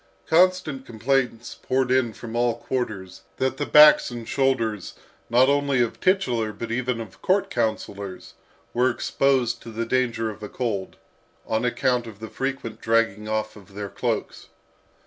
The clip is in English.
Constant complaints poured in from all quarters, that the backs and shoulders, not only of titular but even of court councillors, were exposed to the danger of a cold, on account of the frequent dragging off of their cloaks.